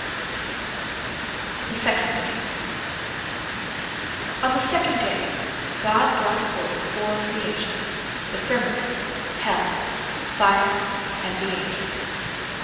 THE SECOND DAY On the second day God brought forth four creations, the firmament, hell, fire, and the angels.